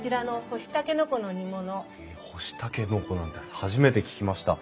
干しタケノコなんて初めて聞きました。